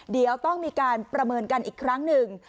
เดี๋ยวต้องมีการประเมินกันอีกครั้งหนึ่ง